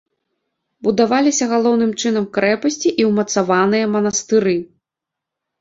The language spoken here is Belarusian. Будаваліся галоўным чынам крэпасці і ўмацаваныя манастыры.